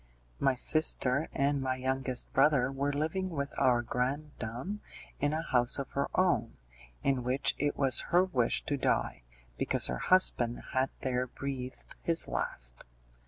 My sister and my youngest brother were living with our grandam in a house of her own, in which it was her wish to die, because her husband had there breathed his last.